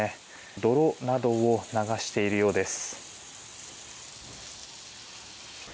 泥などを流しているようです。